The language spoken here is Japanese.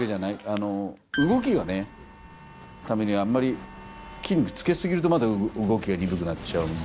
動きがねためにはあんまり筋肉つけ過ぎるとまた動きが鈍くなっちゃうんで。